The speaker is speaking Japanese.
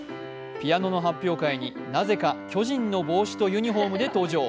ピアノの発表会になぜか巨人の帽子とユニフォームで登場。